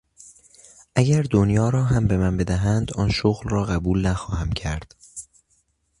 اگر دنیا را هم به من بدهند آن شغل را قبول نخواهم کرد.